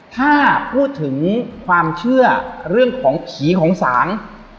ถ้าพูดถึงความเชื่อเรื่องของผีของสาง